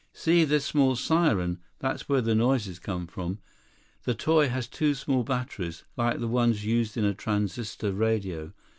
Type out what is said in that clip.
"See this small siren? That's where the noises come from. The toy has two small batteries, like the ones used in a transistor radio.